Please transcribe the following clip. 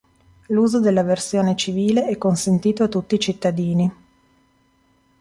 L'uso della versione civile è consentito a tutti i cittadini.